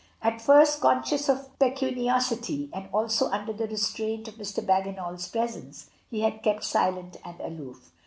At first, conscious of impecuniosity and also under the restraint of Mr. BagginaFs presence, he had kept silent and aloof.